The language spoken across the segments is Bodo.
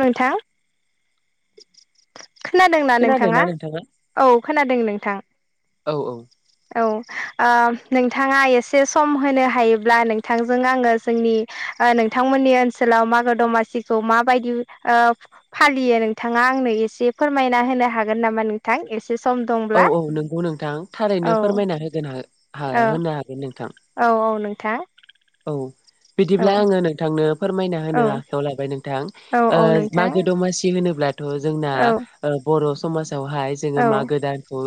नोंथा खोनादोंना नोंथाङा औ खोनादों नोंथां। औ औ। नोंथाङा एसे सम होनो हायोब्ला नोंथांजों आङो जोंनि नोंथांमोननि ओनसोलाव मागो दमासिखौ माबायदि फालियो नोंथाङा आंनो एसे फोरमायना होनो हागोन नामा नोंथां एसे? सम औ दंब्ला औ नोंगौ नोंथां औ थारैनो फोरमायना होगोन होनो औ हागोन नोंथां औ औ नोंथा। औ बिदिब्ला आङो नोंथांनो फोरमायना होनो औ आखायाव लाबाय नोंथां। औ औ नोंथां मागो दमासि होनोब्लाथ' जोंना औ बर' समाज-' हाय जोङो औ मागो दानखौ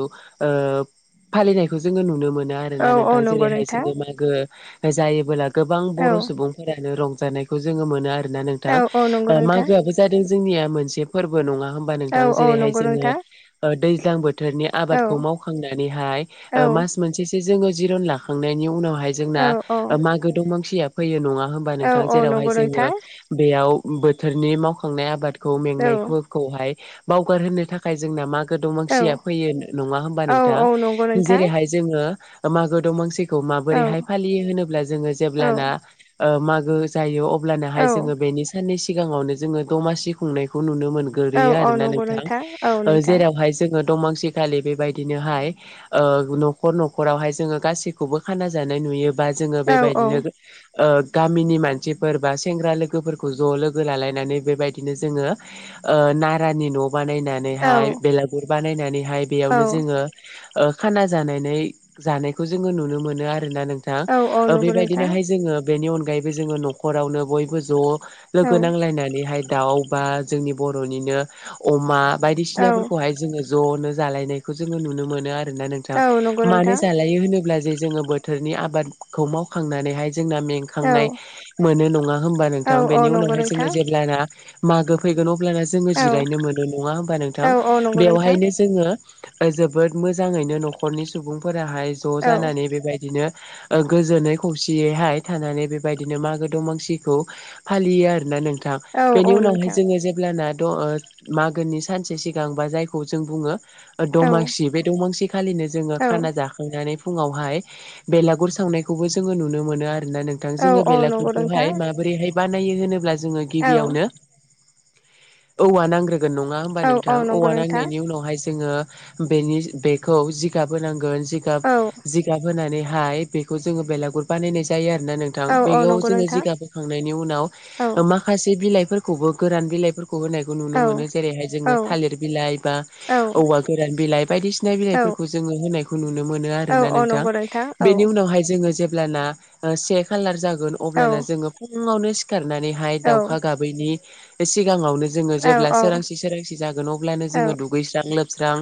फालिनायखौ जोङो नुनो मोनो। औ आरोना औ नोंथां नंगौ जेरैहाय नोंथां जोङो मागो जायोबोला गोबां औ बर' सुबुंफोरानो रं जोङो मोनो आरोोना औ नोंथां औ नंगौ नोंथां मागोआबो जादों जोंनिया मोनसे फोरबो नङा हबा औ नोंथां औ जेरैहाय नंगौ जोङ नोंथां दैजां बोथोर बोथोरनि औ आबादखौ मावखांनानैहाय औ मास मोनसेसो जोङो जिरन लाखांनायनि उनावहाय बाहाय औ जोंना। औ दुंमांसिया फैयो नङा होमबा औ नोंथां जेरावहाय नंगौ जोङो नोंथां बेयाव बोथोरनि मावखांनाय आबादखौ औ मेंनायफोरखौहाय बावगार होनोनो थाखाय जोंना मा मागो औ दमांसिया फैयो ना हबा औ नोंथां औ नंगौ नोंथां जेरैहाय जोङो मागो दमासि औ माबोरैहाय फालियो होनोब्ला जोङो औ जेब्लाना मागो जायो औ अब्लानोहाय जोङो बेनि साननै सिगाङावनो जोङो दमासि खुंनायखौ नुनो मोनो औ मोनग्रोयो औ आरोना नंगौ औ नोंथां नोंथां जेरावहाय जोङो दमांसिखालि बेबायदिनोहाय न'खर न'खरावहाय जोङो गासैखौबो खाना जानाय नु नुयोबा जोङो औ औ बेबायदिनो गामिनि मानसिफोर बा सेंग्रा लोगोफोरखौ ज' लोगो लालायनानै बेबायदिनो जोङो नारानि न' औ बानायनानैहाय बेलागुर बानायनानैहाय औ बेयावनो जोङो खाना जानाय जानायखौ जोङो नुनो मोनो आरो ना नोंथां औ औ ओ नंगौ नोंथां बेबायदिनोहाय जोङो बेनि अनगायैबो जोङो न'खरावनो बयबो ज' औ लोगो नांलायनानैहाय दाउ बा जोंनि बर'निनो अमा औ बायदिसिनाफोरखौहाय जोङो ज'नो जालायनायखौ जोङो नुनो मोनो आरो नोंथां औ नंगौ मानो नोंथां जालायो होनोब्ला जे जोङो बोथोरनि आबादखौ मावखांनानैहाय जोंना औ मेंखांनाय मोनो नङा हबा औ नोंथां औ बेनि नंगौ उनावहाय जोङो नोंथां जेब्लाना मागो फैगोन अब्लाना जोङो औ जिरायनो मोनो नङा होमबा नोंथां औ औ नंगौ नोंथां बेवहायनो जोङो जोबोद मोजाङैनो न'खरनि सुबुंफोराहाय ज' औ जानानै बेबायदिनो गोजोनै खौसेयैहाय थानानै बेबायदिनो मागो दमासिखौ फालियो आर ना नों औ बेनि औ उनावहाय नोंथां जोङो जेब्लाना मागोनि सानसे सिगां बा जायखौ जों बुङो औ दमांसि बे दमांसि खालिनो जोङो औ खाना जाखांनानै फुङावहाय बेलागुर सावनायखौबो जोङो नुनो मोनो आरोना नोंथां औ जोङो औ नंगौ बेलागुरखौहाय नोंथां माबोरैहाय बानायो होनोब्ला जोङो औ गिबियावनो औवा नांग्रो नङा होमबा औ नोंथां औ नंगौ औवा नोंथां नांनायनि उनावहाय जोङो बेनि बेखौ जिगाब होनांगोन जिगाब औ जिगाब होनानैहाय बेखौ जोङो बेलागुर बानायनाय जायो आरो । नोंथां औ औ बेयाव नंगौ जोङो नोंथां जिगाबोखांनायनि उनाव औ माखासे बिलाइ फोरखौबो गोरान बिलाइ होनाय नुनो मोनो औ जेरैहाय जोङो औ थालिर बिलाइ बा औ औवा गोरान बिलाइ बायदिसिना बिलाइ औ खौ जोङो होनायखौ नुनो मोनो औ आरोना औ नोंथां। नंगौ औ नि उनावहाय जोङो जेब्लाना से खालार जागोन औ अब्लाना जोङ फुावनो सिखारनानैहाय औ दाउखा गाबैनि सि सिगाङावनो जोङो जेब्ला औ सोरांसि सोरांसि जागोन अब्लानो औ जोङो दुगैस्रां लोब स्रां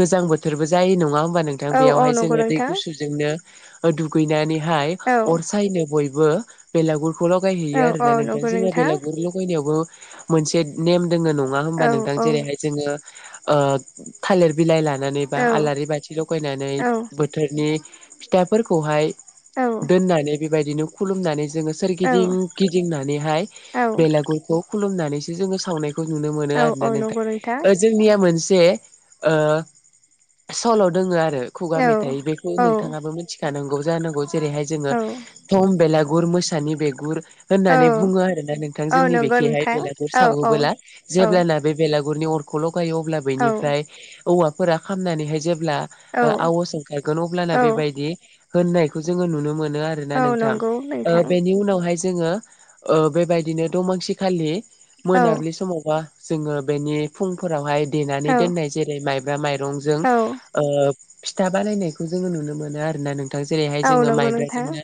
गोजां बोथोरबो जायो नङा होमबा नोंथां औ औ बेयावहाय नंगौ जोङो दै नोंथां गुसुजोंनो दुगैनानैहाय औ अर सायनो बयबो बेलागुर खौ ल' औ गायहैयो औ आरोना नोंथां नंगौ जोंना बेलागुरल' गायनायावबो मोनसे नेम जोङो नङा औ होनबा नोंथां औ जेरैहाय जोङो ओ थालिर बिलाइ ला लानानै बा औ आलारि बाथि लगायनानै औ बोथोरनि फिथाफोरखौहाय औ दोननानै बेबायदिनो खुलुमनानै जोङो सोरगिदिं गिदिंनानैहाय औ बेलागुरखौ खुलुमनानैसो जोङो सावनाय नुनो मोनो औ औ आरोना नंगौ नोंथां जोंनिया मोनसे जे ओ सल' दोङ आरो खुगा औ मेथाइ बेखौ नों औ नोंथाङाबो मिथिखानांगौ जानांगौ जेरैहाय औ जोङो थम बेलागुर मोसानि बिगुर औ होननानै बुङो आरो ना नोंथां औ जोंनि नंगौ बेखेहाय नोंथां बेलागुर औ औ सावोबोला औ जेब्लाना बे बेलागुर अरनि अरखौ लगायो अब्ल औ बैनिफ्रय ओवाफोरा खामनानैहाय जे ब्ला आवास ओंखारगोन अब्लाना औ बे होननायखौ जों नुनो मोनो आरोना औ नोंथां नंगौ ओ नोंथां बेनि उनावहाय जोङो ओ बेबायदिनो दमासि खालि औ मोनाबिलि समावबा जोङो बेनि फुंफोरावहाय औ देनानै दोननाय जेरै माइब्रा माइरंजों औ ओ फिथा बानायनायखौ जोङो नुनो मोन नों आरोना नोंथां जेरैहाय औ जोङो नंगौ नोंथां माइब्राजोंनो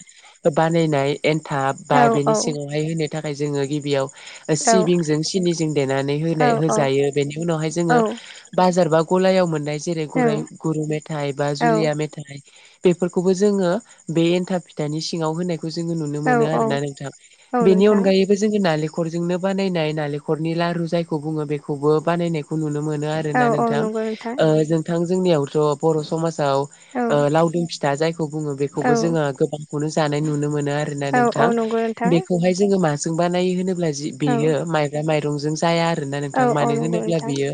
बानायनाय एन्थाब औ बा औ बेनि सिङावहाय होनो थाखाय जोङो गिबियाव । औ सिबिंजों सिनिजों देनानै औ होनाय होजायो बेनि उनावहाय जोङो औ बाजारबा गलायाव मोननाय जेरै गराइ गुरु मेथाइ बा जुलिया मेथाइ। बेफोरखौबो जोङो बे एनथाब फिथानि सिङाव होनाय खौ जोङो नुनो औ मोनो औ आरोना नोंथां औ बेनि नोंथां अनगायैबो जोङो नाले खरजोंनो बानायनाय नालेंखरनि लारु जायखौ बुङो बेखौबो बानायनायखौ नुनो मोन मोनो औ आरोना औ नोंथों नंगौ नोंथां ओ जोंनियावथ' बर' समाव औ ओ लावदुम फि था जायखौ बुङो बेखौबो औ जोङो गोबांखौनो जानाय नुनो मोन मोनो आरोना औ औ नोंथां नंगौ नोंथां बेखौहाय जोङो माजों बानायो होनोब्ला औ बेयो माइब्रा माइरंजों जाया आरोना औ नोंथां औ मानो नंगौ होनोब्ला नोंथां बियो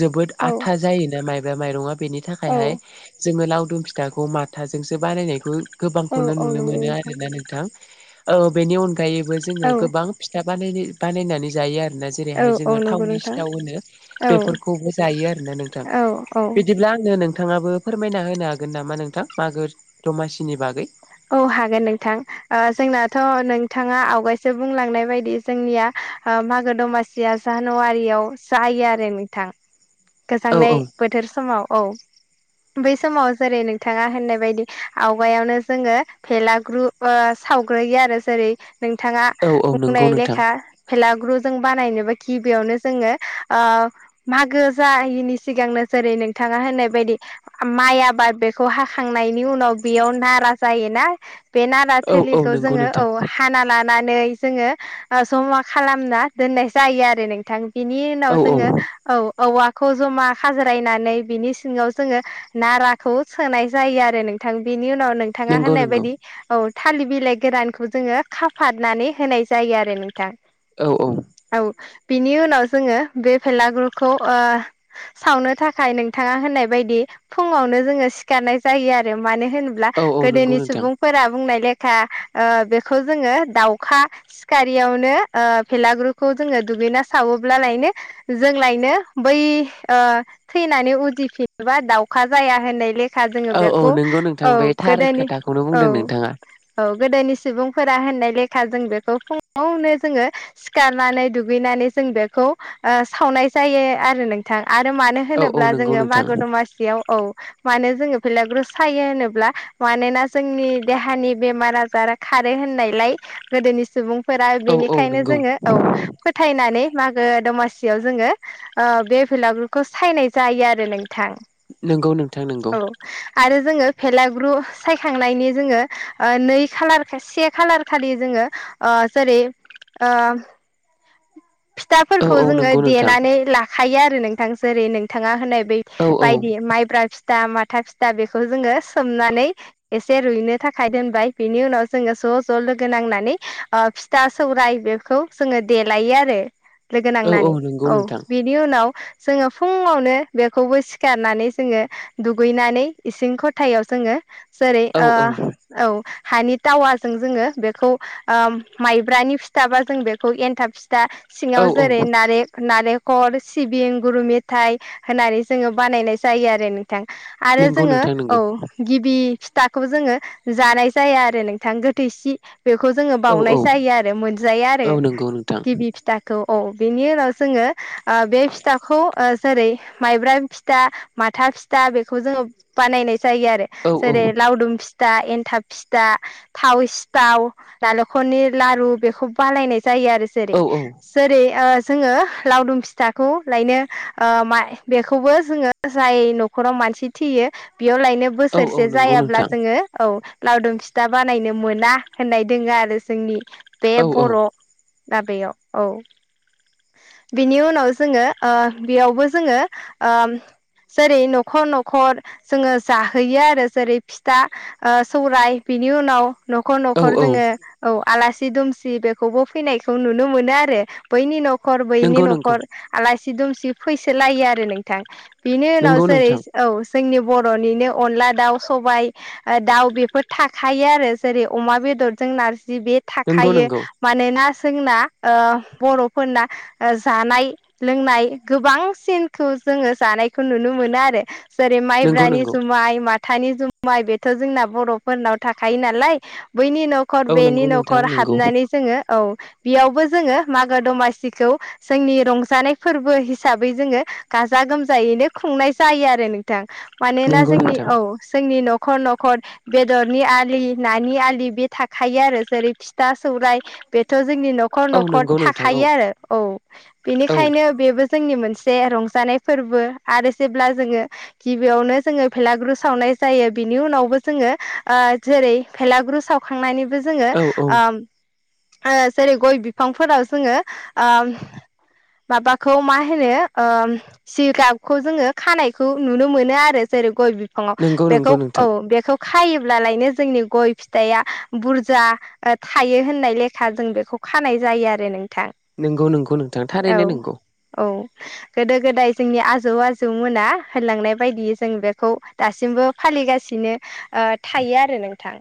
जोबोद औ आथा जायोना माइबा माइरंआ । बेनि औ थाखायहाय जोङो लावदुम फिथाखौ माथाजोंसो बानायनायखौ औ गोबांखौनो औ नुनो नंगौ मोनो नोंथां आरोना नोंथां ओ बेनि अनगायैबो जोङो औ गोबां फिथा बानायनाय बानायनानै जायो आरो । ना औ जेरैहाय औ जोङो नंगौ थाावननि नोंथां सिथाव होनो औ बेफोरखौबो जायो आरोना नोंथां । औ औ बिदिब्ला आंनो नोंथाङाबो फोरमायना होनो हागोन नामा नोंथां मागो दमासिनि बागै । औ हागोन नोंथां ओ जोंनाथ' नोंथाङा आवगायसो बुंलांनाय बायदि जोंनिया मागो दमासिया जानुवारियाव जायो आरो नोंथां । औ गोजांनाय औ बोथोर समाव औ । बै समाव जेरै नोंथाङा होननाय बायदि आवगायावनो जोङो भेलाग्रु ओ सावग्रोयो आरो जेरै नोंथाङा औ औ नंगौ बुंनाय नोंथां लेखा भेलाग्रु जों बानायनोबो गिबियावनो जोंङो मागो जायिनि सिगांनो जेरै नोंथां। होननाय बायदि माइ आबाद बेखौ हाखांनायनि उनाव बेयाव नारा। जायोना बे नारा औ औ थोलिखौ नंगौ जोंङो नोंथां औ हाना ला नानै जोंङो जमा खालामना दोननाय जायो आरो नोंथां। बिनि उनाव औ औ जोंङो औ। औवाखौ जमा खाज्रायनानै बिनि सिङाव जोंङो नाराखौ सोनाय जायो आरो नों नोंथां बिनि उनाव नोंथाङा नंगौ होननाय नंगौ बायदि औ। थालिर बिलाइ गोरानखौ जोंङो खाफादनानै होनाय जायो आरो नोंथां। औ औ। औ बिनि उनाव जोंङो बे भेलागुरखौ ओ सावनो थाखाय नोंथाङा होननाय बायदि। फुङावनो जोंङो सिखारनाय जायो आरो मानो होनोब्ला औ औ नंगौ गोदोनि नोंथां सुबुंफोरा बुंनाय ले लेखा ओ बेखौ जोंङो दावखा सिखारैयावनोे ओ बेलागुर जोंङो दुगैना सावोब्लालायनो जोंलायनो बै ओ थैनानै उदिफिनबा। दावखा जाया होननाय लेखा जोंङो औ औ बेखौ नंगौ औ। नोंथां बे थार गोदोनि खोथाखौनो औ बुंदों नोंथाङा औ। गोदोनि सुबुंफोरा होननाय लेखा जों बेखौ फुङावनो जोंङो सिखारनानै दुगैनानै जों। जों बेखौ ओ सावनाय जायो आरो नोंथां। आरो मानो औ औ होनोब्ला नंगौ जोंङो नोंथां मागो दमासियाव। औ मानो जोंङो बेलागुर सायो होनोब्ला। मानोना जोंनि देहानि बेमार आजारा खारो होननायलाय गोदोनि सुबुं फोरा औ औ बेनिखायनो नंगौ जोंङो औ फोथायनानै। मागो दमासियाव जोंङो ओ बे बेलागुरखौ सायनाय जायो आरो नों नंगौ नोंथां नंगौ। आरो जोंङो फेलाग्रु। सायखांनायनि जोंङो नै खालार खा से खालार खालि जोंङो जेरै। आ औ फिथाफोरखौ औ जोंङो नंगौ नोंथां देनानै लाखायो आरो नोंथां जेरै नोंथाङा होननाय औ औ बायदि माइब्रा फिथा माथा फिथा बेखौ जोंङो सोमनानै एसे रुइनो थाखाय दोनबाय बिनि उनाव जोंङो ज ज लोगो नांनानै फिथा सौराय बेखौ जोंङो देलायो आरो लोगो औ नांनानै नंगौ औ नोंथां बेनि उनाव जोंङो फुङावनो बेखौबो सिखारनानै जोंङो दुगैनानै इसिं खथायाव जोंङो जेरै औ आ औ औ। हानि थावाजों जोंङो बेखौ माइब्रानि फिथाबा जों बेखौ एन्थाब था औ सिङाव औ जेरै नारेंख नालेंखल सिबिं गुर मेथाय होननानै जोंङो बानायनाय जायो आरो नोंथां आरो नंगौ जोंङो नोंथां औ नंगौ गिबि फिथाखौबो जोंङो जानाय जाया आरो नोंथां गोथैसि बेखौ जोंङो औ औ बाउनाय जायो आरो मोनजाया औ आरो नंगौ नोंथां गिबि फिथाखौ औ बेनि उनाव जोंङो बे फिथाखौ जेरै माइब्रा फिथा माथा फिथा बेखौ जोंङो बानायनाय जायो आरो औ औ जेरै लावदुम फि फिथा एन्थाब फिथा थाव सिथाव नालेंखरनि लारु बेखौ बानायनाय जायो आरो जेरै औ जेरै आ जोङो लावदुम फिथाखौ लायनो मा बेखौबो जोंङो जाय नखराव मा मानसि थैयो बेयाव लायनो औ औ बोसोरसे नंगौ जायाब्ला नोंथां जोंङो औ लावदुम फिथा बानायनो मोना होननाय दङो आरो जोंनि बे औ औ बर' दाबयाव औ बिनि उनाव जोंङो ओ बेयावबो जोंङो ओ जेरै नखर नखर जोंङो जाहोयो आरो जेरै फिथा सौराय बिनि उनाव नखर औ नखर औ जोंङो औ आलासि दुमसि बेखौबो फैनायखौ नुनो मोनो आरो बैनि न' खर बैनि नंगौ नंगौ नखर आलासि दुमसि फैसो लायो आरो नोंथां बिनि उनाव नंगौ सै नोंथां औ जोंनि बरनिनो अनला दाउ सबाय दाउ बेफोर थाखायो आरो जेरै अमा बेदरजों नार जि बे नंगौ थाखायो नंगौ मानोना जोंना बरफोरना जानाय लोंनाय गोबांसिनखौ जोङो जानायखौ नुनो मोनो आरो जेरै नंगौ माइब्रानि नंगौ जुमाय माथ थानि जुमाय बेथ जोंना बरफोरनाव थाखायो नालाय बैनि नखर औ बेनि नंगौ नोंथां नखर नंगौ हाबनानै जोङो औ बेयावबो जोङो मागो दमासिखौ जोंनि रंजानाय फोरबो हिसाबै जोङो गाजा गोमजायैनो खुंनाय जायो आरो नोंथां मानोना नंगौ जोंनि नोंथां औ जोंनि नखर नखर बेदरनि आ नानि आलि बे थाखायो आरो जेरै फिथा सौ राय बेथ‌ जोंनि नखर औ नखर नंगौ नोंथां औ थाखायो आरो औ औ बेनिखायनो बेबो जोंनि मोनसे रंजानाय फोरबो आरो जेब्ला जोङो गिबियावनो जोङो भेलागुरु सावनाय जायो बिनि उनावबो जोङो जेरै भेलागुरु सावखांनायनि जोङो औ औ ओ जेरै गय बिफांफोराव जोङो माबाखौ मा होनो जिगाबखौ जोङो खानायखौ नुनो मोनो आरो जेरै गय बि फङाव नंगौ बेखौ नंगौ औ नोंथां बेखौ खायो ब्लायनो जोंनि गय फिथाइआ बुरजा थायो होननाय लेखा जों बेखौ खानाय जायो जायो आरो नोंथां नंगौ नंगौ नोंथां औ थारैनो नंगौ औ गोदो गोदाय जोंनि आजौ आजौमोना होनलांनाय बायदियै जों बेखौ दासिमबो फालिगासिनो थायो आरो नोंथां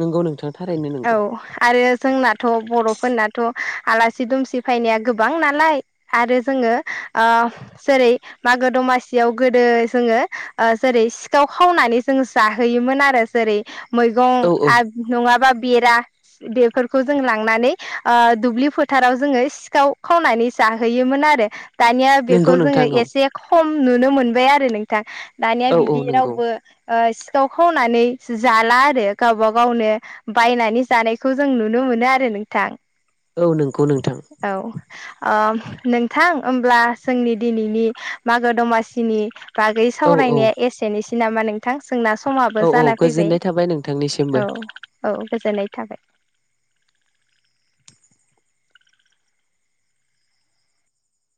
नोंगौ नोंथां थारैनो औ नंगौ आरो। जोंनाथ‌ बर'फोरनाथ' आलासि दुमसि फैनाया गोबां नालाय आरो जोङो जेरै मागो दमासियाव गोदो जोङो जेरै सिखाव खावनानै जों जाहोयोमोन आरो जेरै औ औ मैगं माबा बेरा बेफोरखौ जों लांनानै दुब्लि फोथाराव जोङो सिखाव खावनानै हानै जाहैयोमोन आरो। दानिया नंगौ बेखौ नोंथां जोङो औ एसे खम नुनो मोनबाय आरो नोंथां। दानिया औ औ बिदि नंगौ रावबो सिखाव खावनानै जाला आरो गावब गावनो बायनानै जानायखौ जों नुनो मोनो आरो नोंथां। औ नंगौ नोंथां औ आ नोंथां होमब्ला जोंनि दिनैनि मागो दमासिनि बागै औ औ सावरायनाया एसेनोसै नामा नोंथां। जोंना समाबो औ औ जाना फैबाय गोजोननाय थाबाय नोंथांनिसिमबो औ। औ गोजोननाय थाबाय